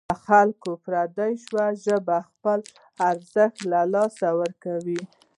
له خلکو پردۍ شوې ژبه خپل ارزښت له لاسه ورکوي.